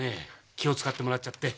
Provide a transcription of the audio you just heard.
気を遣ってもらっちゃって。